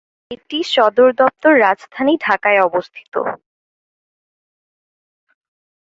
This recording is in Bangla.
এটি সদরদপ্তর রাজধানী ঢাকায় অবস্থিত।